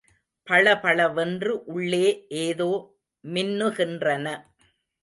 பளபளவென்று உள்ளே ஏதோ மின்னுகின்றன.